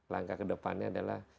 langkah kedepannya adalah